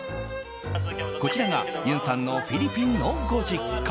こちらが、ゆんさんのフィリピンのご実家。